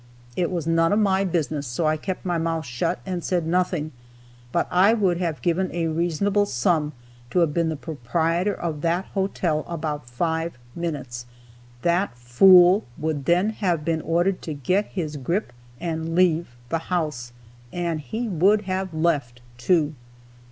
It was none of my business, so I kept my mouth shut and said nothing, but I would have given a reasonable sum to have been the proprietor of that hotel about five minutes. That fool would then have been ordered to get his grip and leave the house, and he would have left, too.